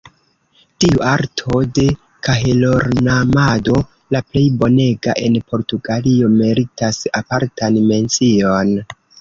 Tiu arto de kahelornamado – la plej bonega en Portugalio – meritas apartan mencion.